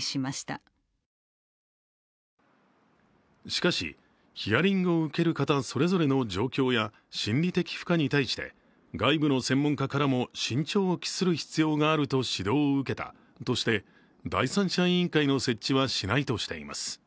しかし、ヒアリングを受ける方、それぞれの状況や心理的負荷に対して外部の専門家からも慎重を期する必要があると指導を受けたとして第三者委員会の設置はしないとしています。